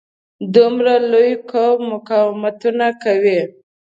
دومره لوی قوم مقاومتونه کوي.